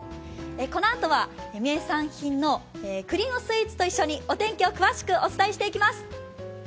このあとは名産品のくりのスイーツと一緒にお天気を詳しくお伝えしていきます。